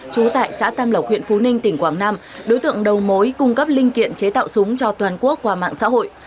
trú tại xã tam lộc huyện phú ninh tỉnh quảng nam đối tượng đầu mối cung cấp linh kiện chế tạo súng cho toàn quốc qua mạng xã hội